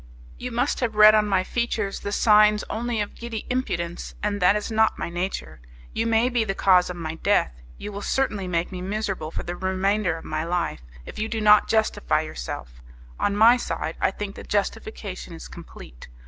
You must have read on my features the signs only of giddy impudence, and that is not my nature. You may be the cause of my death, you will certainly make me miserable for the remainder of my life, if you do not justify yourself; on my side I think the justification is complete.